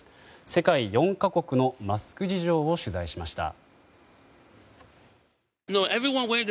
世界４か国のマスク事情を取材しました。